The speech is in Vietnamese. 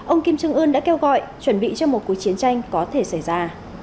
ông kim trương ươn đã kêu gọi chuẩn bị cho một cuộc chiến tranh có thể xảy ra